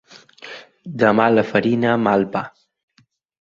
De mala farina, mal pa.